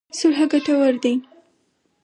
صلح ګټور دی.